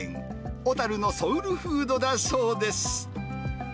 小樽のソウルフードだそうです。